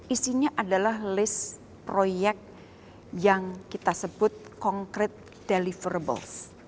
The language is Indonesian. isinya adalah list proyek yang kita sebut concrete deliverable